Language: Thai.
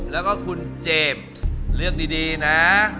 แล้วก็คุณเจมส์เลือกดีนะ